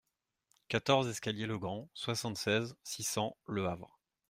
quatorze escalier Legrand, soixante-seize, six cents, Le Havre